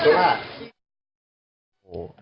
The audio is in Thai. โอ้โหโอ้โหโอ้โห